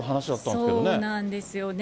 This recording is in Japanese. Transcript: そうなんですよね。